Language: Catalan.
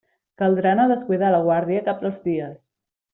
Caldrà no descuidar la guàrdia cap dels dies.